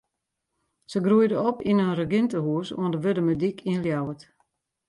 Se groeide op yn in regintehûs oan de Wurdumerdyk yn Ljouwert.